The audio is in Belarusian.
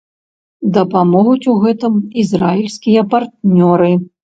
Дапамогуць у гэтым ізраільскія партнёры.